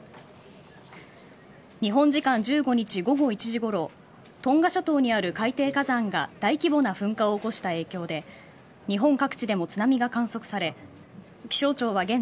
日本時間１５日午後時ごろトンガ諸島にある海底火山が大規模な噴火を起こした影響で日本各地でも津波が観測され気象庁は